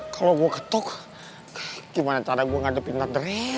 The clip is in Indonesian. kalo gue ketuk gimana cara gue ngadepin nadrere ya